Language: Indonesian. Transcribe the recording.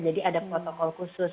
jadi ada protokol khusus